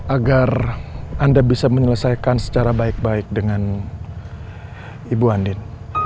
agar anda bisa menyelesaikan secara baik baik dengan ibu andin